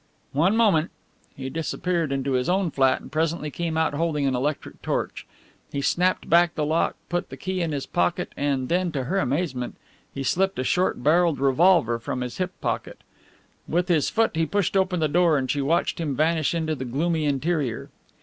"One moment." He disappeared into his own flat and presently came out holding an electric torch. He snapped back the lock, put the key in his pocket and then, to her amazement, he slipped a short barrelled revolver from his hip pocket. With his foot he pushed open the door and she watched him vanish into the gloomy interior.